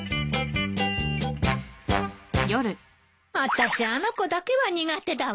私あの子だけは苦手だわ。